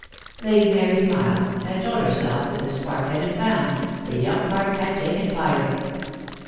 Lady Mary smiled, and told herself that the spark had been found, the young heart had taken fire.